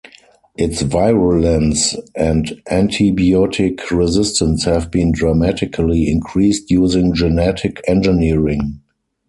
Its virulence and antibiotic resistance have been dramatically increased using genetic engineering.